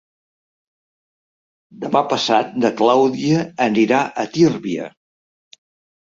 Demà passat na Clàudia anirà a Tírvia.